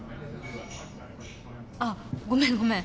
あっごめんごめん